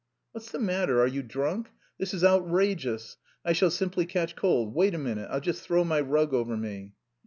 "What's the matter, are you drunk? This is outrageous, I shall simply catch cold. Wait a minute, I'll just throw my rug over me."